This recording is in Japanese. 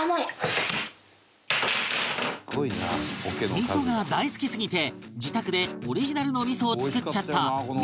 味が大好きすぎて自宅でオリジナルの味を作っちゃった味